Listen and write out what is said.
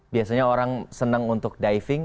biasanya orang senang untuk diving